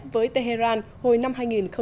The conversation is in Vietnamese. với tehran hồi năm hai nghìn một mươi năm hai mươi